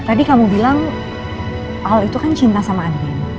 tadi kamu bilang al itu kan cinta sama adik